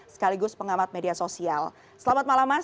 sekaligus pengamat media sosial selamat malam mas